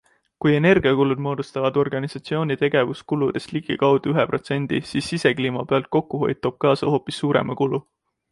Kui energiakulud moodustavad organisatsiooni tegevuskuludest ligikaudu ühe protsendi, siis sisekliima pealt kokkuhoid toob kaasa hoopis suurema kulu.